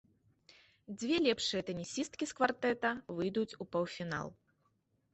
Дзве лепшыя тэнісісткі з квартэта выйдуць у паўфінал.